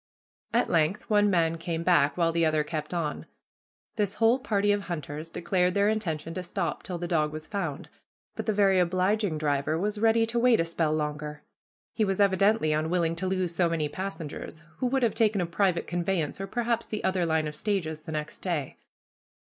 At length one man came back, while the other kept on. This whole party of hunters declared their intention to stop till the dog was found, but the very obliging driver was ready to wait a spell longer. He was evidently unwilling to lose so many passengers, who would have taken a private conveyance, or perhaps the other line of stages, the next day.